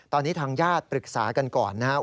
ตอนนี้ทางญาติปรึกษากันก่อนนะครับ